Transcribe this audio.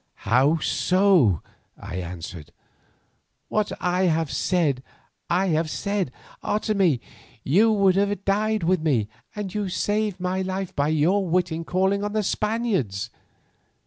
"How so?" I answered. "What I have said, I have said. Otomie, you would have died with me, and you saved my life by your wit in calling on the Spaniards.